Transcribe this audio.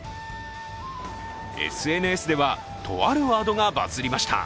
ＳＮＳでは、とあるワードがバズりました。